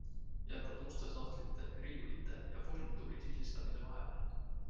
Jätad uste, sahtlite, riiulite ja furnituuri sildistamise vahele.